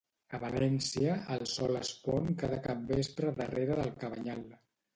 A València, el sol es pon cada capvespre darrera del Cabanyal